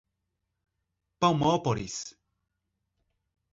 Palmópolis